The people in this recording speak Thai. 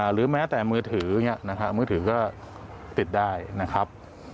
หรือแม้แต่มือถืออย่างนี้นะครับมือถือก็ติดได้นะครับ